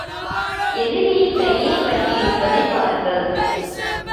எதிரியின் கையைப் பற்றியிருப்பதைப் பாருங்கள்.